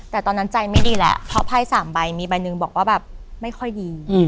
แต่ตอนนั้นใจไม่ดีแหละเพราะไพ่๓ใบมีใบหนึ่งบอกว่าแบบไม่ค่อยดี